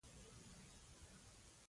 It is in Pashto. زما دغه اراده وه،